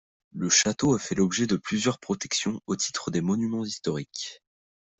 Le château fait l'objet de plusieurs protections au titre des monuments historiques.